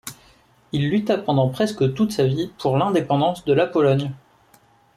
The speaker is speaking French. Il lutta pendant presque toute sa vie pour l'indépendance de la Pologne.